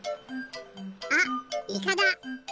あっイカだ！